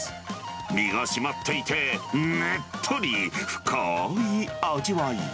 身が締まっていてねっとり深い味